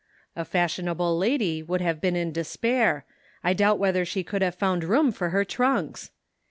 A fashionable lady would have been in despair ; I doubt whether she could have found room for her trunks